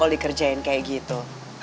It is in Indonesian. kalo dikerjain kayak gitu